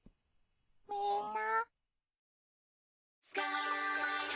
みんな？